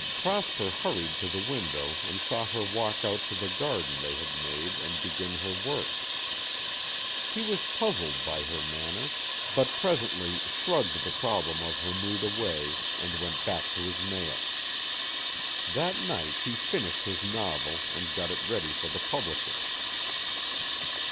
Prosper hurried to the window and saw her walk out to the garden they had made and begin her work. He was puzzled by her manner, but presently shrugged the problem of her mood away and went back to his mail. That night he finished his novel and got it ready for the publisher.